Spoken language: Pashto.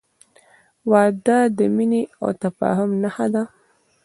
• واده د مینې او تفاهم نښه ده.